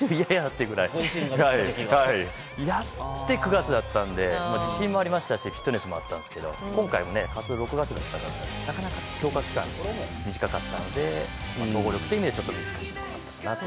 それぐらいやって９月だったので自信もあったしフィットネスもあったんですが今回、活動６月だったからなかなか強化期間が短かったので総合力的にはちょっと難しかったかなと。